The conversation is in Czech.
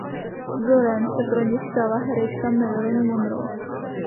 Vzorem se pro ni stala herečka Marilyn Monroe.